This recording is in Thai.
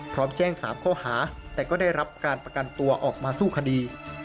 พร้อมแจ้ง๓ข้อหาแต่ก็ได้รับการประกันตัวออกมาสู้คดี